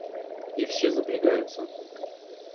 И все запрягаются.